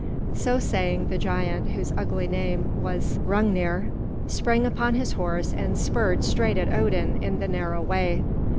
So saying, the giant, whose ugly name was Hrungnir, sprang upon his horse and spurred straight at Odin in the narrow way.